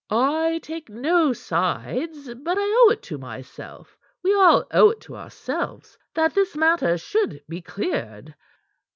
"I take no sides. But I owe it to myself we all owe it to ourselves that this matter should be cleared."